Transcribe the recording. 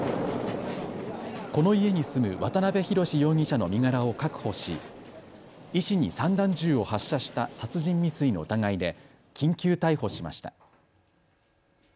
この家に住む渡邊宏容疑者の身柄を確保し医師に散弾銃を発射した殺人未遂の疑いで緊急逮捕しました。